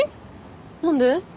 何で？